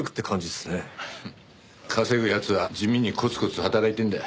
稼ぐ奴は地味にコツコツ働いてんだ。